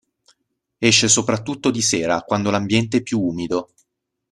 Esce soprattutto di sera, quando l'ambiente è più umido.